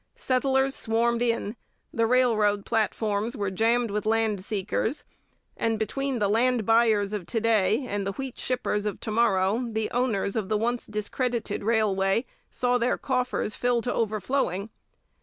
Settlers swarmed in, the railroad platforms were jammed with land seekers, and between the land buyers of to day and the wheat shippers of to morrow the owners of the once discredited railway saw their coffers fill to overflowing.